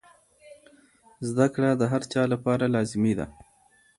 زده کړه د هر چا لپاره لازمي ده.